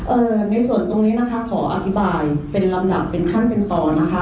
ในส่วนตรงนี้นะคะขออธิบายเป็นลำดับเป็นขั้นเป็นตอนนะคะ